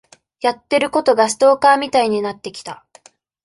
やってることがストーカーみたいになってきた。